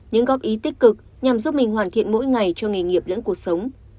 những góp ý tích cực nhằm giúp mình hoàn thiện mỗi ngày cho nghề nghiệp lẫn cuộc sống